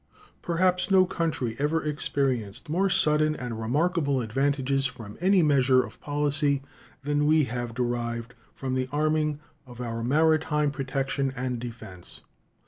Perhaps no country ever experienced more sudden and remarkable advantages from any measure of policy than we have derived from the arming for our maritime protection and defense.